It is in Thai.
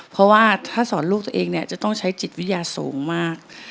เพราะว่าถ้าสอนลูกตัวเองเนี่ยจะต้องใช้จิตวิทยาสูงมาก